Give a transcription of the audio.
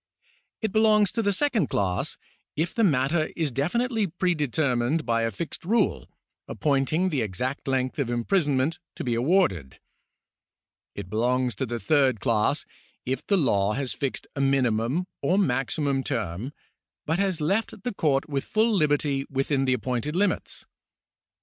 It belongs to the second class, if the matter is definitely predetermined by a fixed rule, appointing the exact length of imprisonment to be awarded. It belongs to the third class, if the law has fixed a minimum or maximum term, but has left the court with full liberty within the appointed limits.